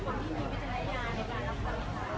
มันเป็นภาษาไทยก็ไม่ได้จัดการ